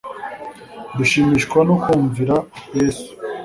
Dushimishwa no kumvira Yesu